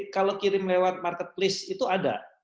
kalau kirim lewat marketplace itu ada